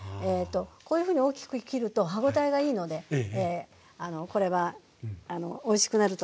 こういうふうに大きく切ると歯応えがいいのでこれはおいしくなると思いますよ。